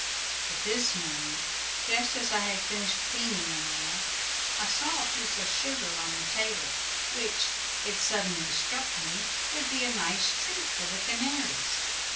But this morning, just as I had finished cleaning and all, I saw a piece of sugar on the table, which, it suddenly struck me would be a nice treat for the canaries.